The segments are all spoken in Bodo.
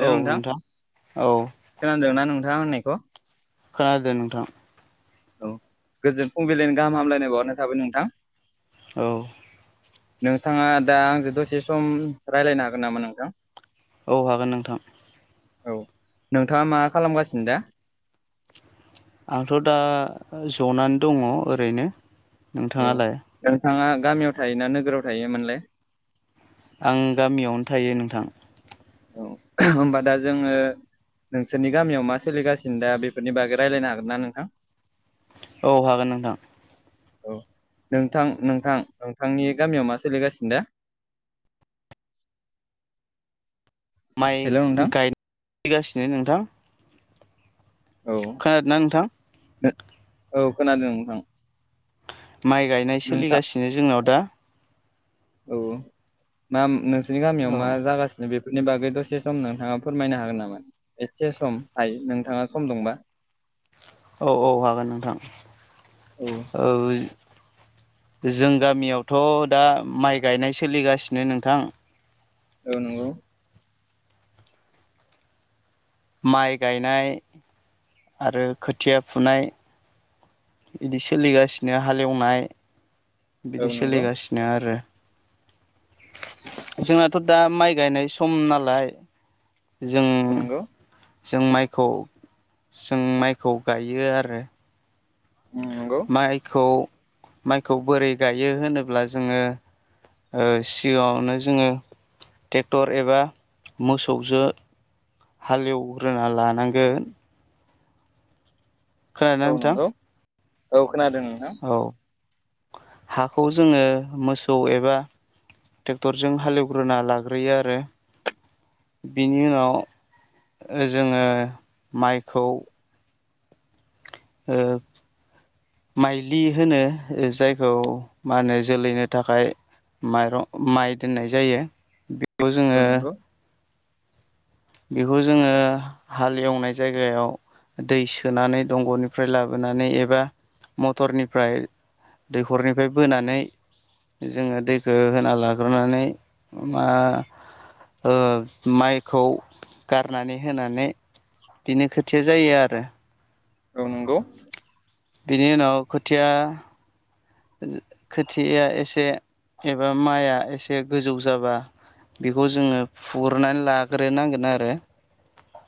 हेल नोंथां औ खोनदोंना नोंथाङा होननायखौ? खोनादों नोंथां औ गोजोन फुंबिलिइनि गाहाम हामलायनाय बावहरनाय थाबाय नोंथां औ नोंथाङा दा आंजों दसे सम रायलायनो हागोन नामा नोंथां? औ हागोन नोंथां औ नोंथाङा मा खालामगासिनो दा आंथ दा जनानै दङ ओरैनो औ नोंथाङालाय नोंथाङा गामियाव थायोना नोगोराव थायोमोनलाय? आं गामियावनो थायो नोंथां औ होनबा दा जोङो नोंसोरनि गामियाव मा सोलिगासिनो दा बेफोरनि बागै रायजलायनो हागोन ना नोंथां? औ हागोन नोंथां औ नोंथां नोंथां नोंथांनि गामियाव मा सोलिगासिनो दा। [inaudible] माइ हेल' नोंथां गायगासिनो नोंथां औ खोनादों ना नोंथां? औ खोनादों नोंथां माइ गायनाय नोंथां सोलिगासिनो जोंनाव दा औ मा नोंसोरनि गामियाव औ मा जागासिनो बे? बेनि बागै दसे सम नोंथाङा फोरमायनो हागोन नामा एसे सम थाय नोंथाङा सम दंबा? औ औ हागोन नोंथां औ ओ जों गामियावथ दा माइ गायनाय सोलिगासिनो नोंथां। औ नोंगौ। माइ गायनाय आरो खोथिया फुनाय। इदि सोलिगासिनो हालेवनाय औ बिदि नंगौ सोलिगासिनो आरो जोंनाथ दा माइ गायनाय सम नालाय जों नंगौ जों माइखौ जों माइखौ गायो आरो। उम नंगौ माइखौ माइखौ बोरै गायो होनोब्ला जोङो ओ सिगाङावनो जोङो ट्रेक्टर एबा मोसौजो हालेवग्रोना लानांगोन खोनादों ना औ नोंथां? नंगौ औ खोनादों नोंथां औ हाखौ जोङो मोसौ एबा ट्रेक्टरजों हालेवग्रोना लाग्रोयो आरो बिनि उनाव ओ जोङो माइखौ ओ माइलि होनो जायखौ मा होनो जोलैनो थाखाय माइरं माइ दोननाय जायो बेखौ औ जोङो नंगौ बेखौ जोङो हाल एवनाय जायगायाव दै सोनानै दंग'निफ्राय लाबोनानै एबा मटरनिफ्राय दैखरनिफ्राय बोनानै जोङो दैखौ होना लाग्रोनानै मा ओ माइखौ गारनानै होनानै बिनो खोथिया जायो आरो। औ नंगौ। बिनि उनाव खोथिया खोथिया एसे एबा माइआ एसे गोजौ जाबा बेखौ जोङो फुरनानै लाग्रोनांगोन आरो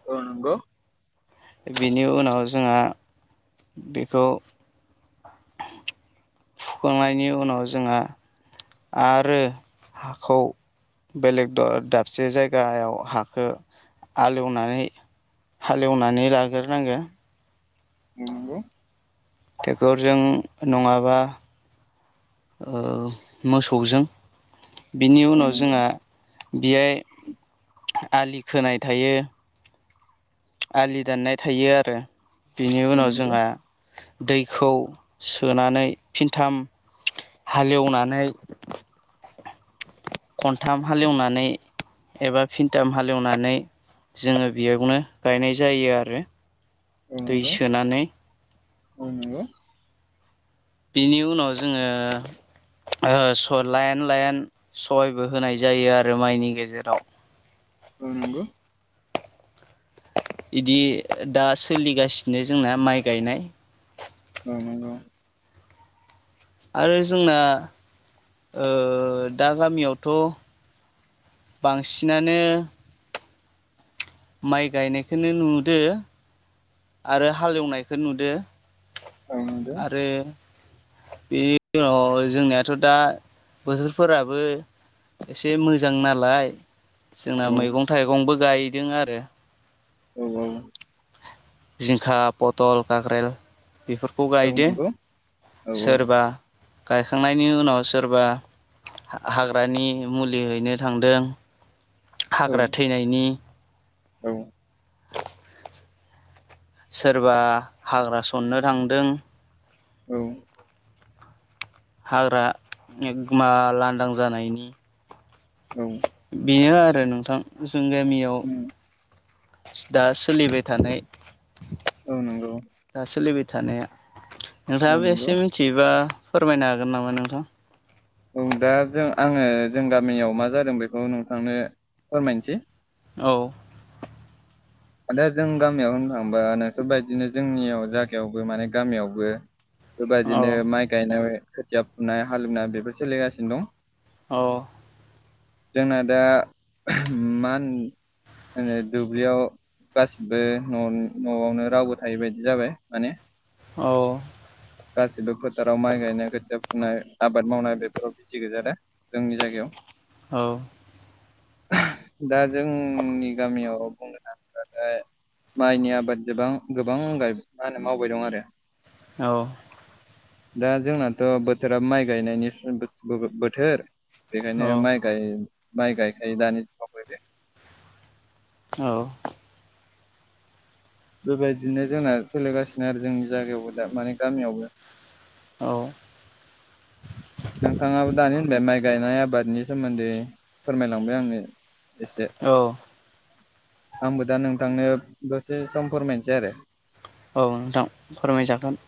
औ नंगौ। बेनि उनाव जोंहा बेखौ [inaudible] फुखांनायनि उनाव जोंहा आरो हाखौ बेलेग दाबसे जायगायाव हाखौ आलेवनानै हालेवनानै लाग्रोनांगो नंगौ। ट्रेक्टरजों नङाबा ओ मोसौजों बिनि औ उनाव नंगौ जोंहा बेहाय आलि खोनाय थायो। आलि दाननाय थायो आरो बिनि औ उनाव नंगौ जोंहा दैखौ सोनानै फिनथाम हालेवनानै खनथाम हालेवनानै एबा फिनथाम हालेवनानै जोङो बेयावनो गायनाय जायो आरो औ दै नंगौ सोनानै औ नंगौ। बेनि उनाव जोङो ओ स' लाइन लाइन स'हायबो होनाय जायो आरो माइनि गेजेराव औ नंगौ। इदि दा सोलिगासिनो जोंना माइ गायनाय ओ नंगौ। आरो जोंना ओ दा गामियावथ' बांसिनानो माइ गायनायखौनो नुदो आरो हालेवनायखौ नुदो औ नंगौ आरो बेनि उनाव जोंनियाथ' दा बोथोरफोराबो एसे मोजां नालाय जोंना औ मैगं थाइगंबो गायदों आरो। औ- औ। जिंखा पथल काक्रेरेल बेफोरखौ औ गायदो नंगौ औ सोरबा गायखांनायनि उनाव सोरबा हाग्रानि मुलि हैनो थांदों औ हाग्रा थैनायनि। औ। सोरबा हाग्रा सननो थांदों। औ। हाग्रा एखमा लांदां जानायनि बेनो आरो नोंथां जों गामियाव उम दा सोलिबाय थानाय औ नंगौ। दा सोलिबाय थानाया औ नोंथाङाबो नंगौ एसे मिथियोबा फोरमायनो हागोन नामा नोंथां? औ दा जों आङो जों गामियाव मा जादों बेखौ नोंथांनो फोरमायनोसै औ। दा जों गामियाव होननो थाङोबा नोंसोर बायदिनो जोंनियाव जायागायावबो माने गामियावबो औ बेबायदिनो माइ गायनाय खोथिया फुनाय हालेवनाय बेफोर सोलिगासिनो दं। अ' जोंना दा मा होनो दुब्लियाव गासिबो' न'आवनो रावबो थायै बायदि जाबाय माने औ। गासिबो फोथाराव माइ गायनाय खोथिया फुनाय आबाद मावनाय बेफोराव बिजि गोजा दा जोंनि जायगायाव। औ। दा जोंनि गामियाव बुंनो माइनि आबाद गोबांनगाय मा होनो मावबाय दं आरो। औ। दा जोंनाथ' बोथोरा माइ गायनायनि बो-बोथोर बेखायनो माइ गाय माइ गायखायो दानि समाव बे औ। बेबायदिनो जोंना सोलिगासिनो आरो जोंनि जायगायावबो दा माने गामियावबो औ। नोंथाङाबो दानि होनबाय माइ गायनाय आबादनि सोमोन्दै फोरमायलांबाय आङो औ। आंबो दा नोंथांनो दसे सम फोरमायनोसै आरो औ नोंथां फोरमायजागोन।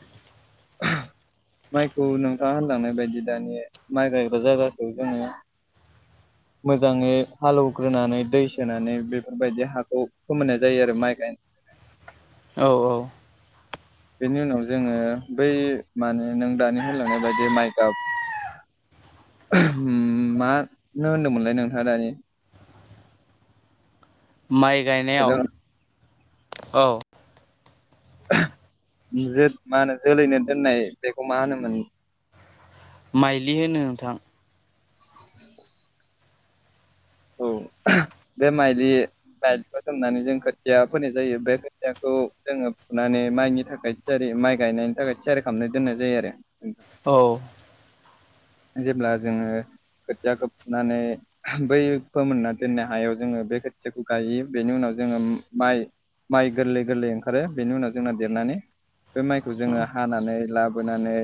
माइखौ नोंथाङा होनलांनाय बायदि दानि माइ गायग्रा जायगाखौ जोङो मोजाङै हालौवग्रोनानै दै सोनानै बेफोरबायदि हाखौ फोमोननाय जायो आरो माइ गायनो [inaudible] औ औ। बेनि उनाव जोङो बै माने नों दानि होलांनाय बायदि माइगाप मानो होनदोंमोनलाय नोंथाङा दानि [inaudible] माइ गायनायाव औ। जे मा होनो जोलैनो दोननाय बेखौ मा होनोमोन? माइलि होनो नोंथां। उ औ। बे माइलि माइलिखौ सोमनानै जों खोथिया फोनाय जायो बे खोथियाखौ जोङो फुनानै माइनि थाखाय थियारि माइ गायनायनि थाखाय थियारि खालामनाय दोननाय जायो आरो औ। जेब्ला जोङो खोथियाखौ फुनानै बै फोमोनना दोननाय हायाव जोङो बे खोथियाखौ गयो बेनि उनाव जोङो माइ माइ गोरलै गोरलै ओंखारो बेनि उनाव जोंना देरनानै बे माइखौ जोङो हानानै लाब लाबोनानै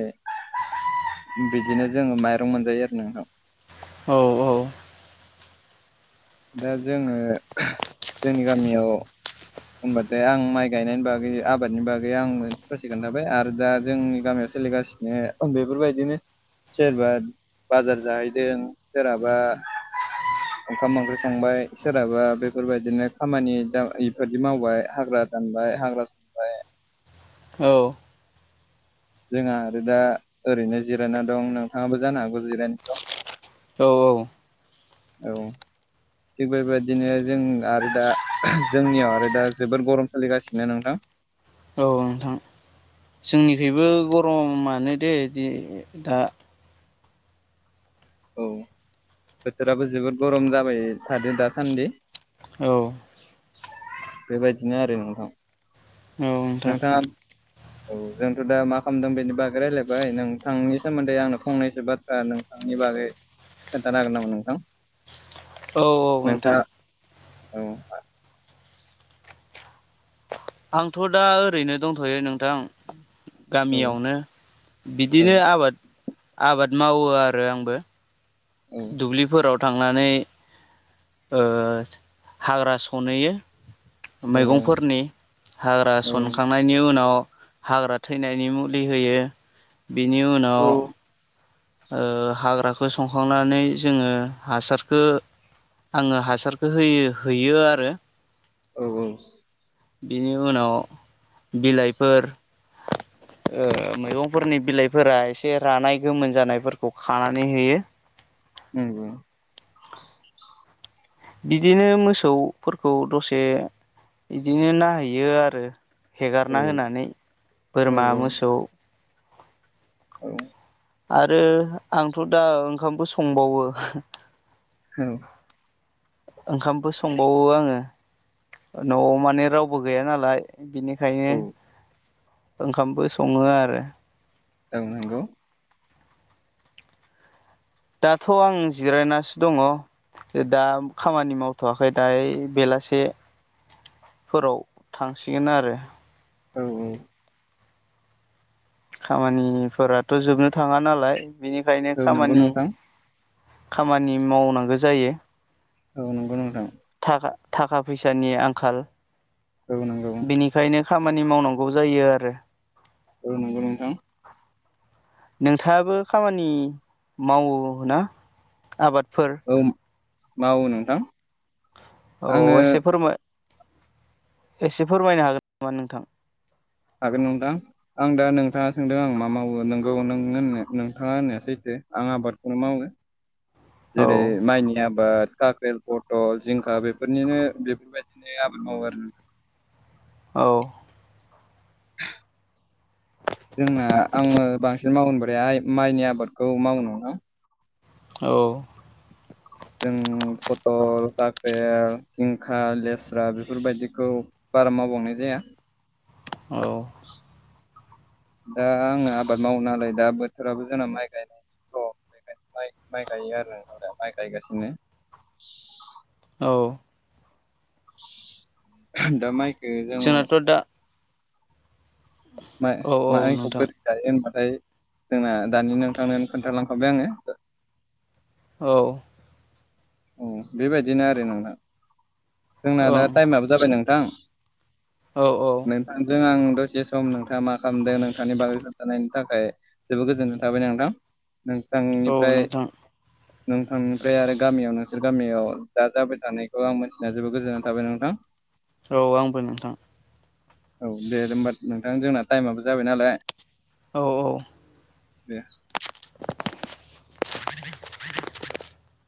बिदिनो जोङो माइरं मोनजायो आरो नोंथां। औ औ। दा जोङो जोंनि गामियाव होनबाथाय आं माइ गायनायनि बागै आबादनि बागै आं ससि खोन्थाबाय आरो दा जोंनि गामियावस सोलिगासिनो बेफोरबायदिनो सोरबा बाजार जाहैदों सोरहाबा ओंखाम ओंख्रि संबाय सोरहाबा बेफोरबायदिनो खामानि दामानि बेबायदि मावबाय हाग्रा दानबाय हाग्रा संबाय। औ। जोंहा आरो दा ओरैनो जिरायना दं नोंथाङाबो जानो हागौ जिरायनाय दं। औ औ। औ। थिग बेबायदिनो जों आरो दा जोंनियाव आरो दा जोबोद गरम फालिगासिनो नोंथां। [inaudible] औ नोंथां जोंनिखैबो गरमानो दे [unintelligible] दा। औ बोथोराबो जोबोद गरम जाबाय थादो दासान्दि। औ। बेबायदिनो आरो नोंथां नोंथां नोंथाङा औ जोंथ' दा मा खालामदों बेनि बागै रायलायबाय नोंथांनि सोमोन्दै आंनो फंनैसो बाथ्रा नोंथां नि बागै खोन्थानो हागोन नामा नोंथां? औ औ नोंथां नोंथाङा औ आंथ' दा ओरैनो दंथ'यो नोंथां। औ गामियावनो औ बिदिनो आबाद आबाद मावो आरो आंबो। औ दुब्लिफोराव थांनानै ओ हाग्रा सनहैयो। मैगंफोरनि हाग्रा औ सनखांनायनि उनाव हाग्रा थैनायनि मुलि होयो बेनि औ उनाव ओ हाग्राखौ संखांनानै जोङो हासारखो आङो हासारखौ होयो हैयो आरो। औ औ। बेनि उनाव बिलाइफोर ओ मैगंफोरनि बिलाइफोरा एसे रानाय गोमोन जानायफोरखौ खानानै होयो। उम उम। बिदिनो मोसौफोरखौ दसे बिदिनो नायहैयो आरो। औ हेगारना औ होनानै औ बोरमा मोसौ औ। आरो आंथ' दा ओंखामबो संबावो। औ। ओंखामबो संबावो आङो न'आव माने रावबो गैया नालाय। बिनिखायनो ओंखामबो सङो आरो। ओं नोंगौ। दाथ' आं जिरायनासो दङ। दा खामानि मावथ'वाखै दायो बेलासे फोराव थांसिगोन आरो। औ औ। खामानिफोराथ' जोबनो थाङा नालाय बेनिखायनो औ नंगौ खामानि नोंथां खामानि मावनांगौ जायो। औ नंगौ नोंथां। थाखा थाखा फैसानि आंखाल औ नंगौ। बेनिखायनो खामानि मावनांगौ जायो आरो। औ नंगौ नोंथां। नोंथाङाबो खामानि मावो ना आबाद औ मावो नोंथां। औ आङो एसे फोरमाय एसे फोरमायनो हागोन नामा नोंथां? हागोन नोंथां आं दा नोंथाङा सोंदों आं मा मावो नोंगौ नों होन नोंथाङा होननाया सैथो। आं आबादखौनो मावो औ जेरै माइनि आबाद काख्रेल पथल जिंखा बेफोरनिनो बेफोरबायदिनो आबाद मावो आरो नोंथां। अ। जोंना आङो बांसिन मावनोब्रहाय माइनि आबादखौ मावो नङा। औ। जों पथल जाफेर जिंखा लेस्रा बेफोरबायदिखौ बारा मावबांनाय जाया। औ ओ आङो आबाद मावो नालाय दा बोथोराबो जोंना माइ गायनायनि सम माइ गायो आरो दा माइ गायगासिनो। औ। दा माइखो जों जोंनाथ' दा माइ- औ औ माइखौ नोंथां बोरै गायो होनबा ओमफ्राय जोंना दानि नोंथांन खोन्थालांखाबबाय आङो। औ। औ बेबायदिनो आरो नोंना जोंना दा ओं टाइमाबो जाबाय नोंथां। औ नोंथांजों आं दसे सम नोंथाङा मा खालामदों नोंथांनि बागै खोन्थानायनि थाखाय जोबोद गोजोननाय थाबाय नोंथां। औ नोंथांनिफ्राय नोंथां -नोंथांनिफ्राय आरो गामियावनो गामियाव दा जाबाय थानायखौ आं मिथिनाया जोबोद गोजोननाय थाबाय नोंथां। औ आंबो नोंथां। औ दे होनबा नोंथां जोंना टाइमाबो जाबाय नालाय। औ- औ। दे। [inaudible] [unintelligible] [unintelligible] [inaudible]